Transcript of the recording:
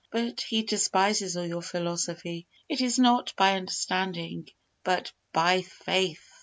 But He despises all your philosophy. It is not by understanding, but by faith!